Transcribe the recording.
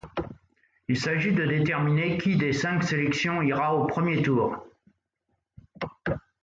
Il s'agit de déterminer qui des cinq sélections ira au premier tour.